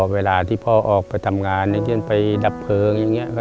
เวลาที่พ่อออกไปทำงานอย่างเช่นไปดับเพลิงอย่างนี้